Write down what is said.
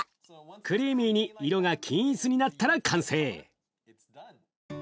クリーミーに色が均一になったら完成。